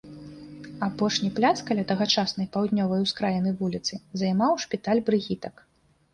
Апошні пляц каля тагачаснай паўднёвай ускраіны вуліцы займаў шпіталь брыгітак.